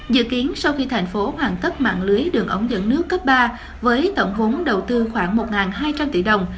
dự kiến sau khi thành phố hoàn cấp mạng lưới đường ống dẫn nước cấp ba với tổng vốn đầu tư khoảng một hai trăm linh tỷ đồng